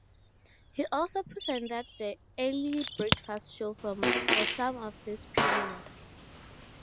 He also presented the Early Breakfast show for some of this period.